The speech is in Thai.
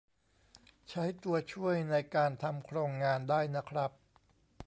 ใช้ตัวช่วยในการทำโครงงานได้นะครับ